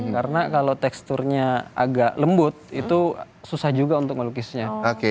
karena kalau teksturnya agak lembut itu susah juga untuk ngelukisnya